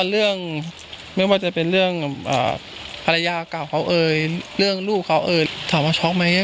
เองว่าจะเป็นเรื่องภรรยากล่าวเขาเฮ้ยเรื่องรูปเขาเฮ้ย